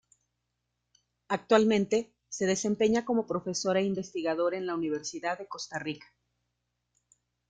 Actualmente, se desempeña como profesor e investigador en la Universidad de Costa Rica.